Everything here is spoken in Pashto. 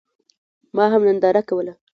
ما هم ننداره کوله.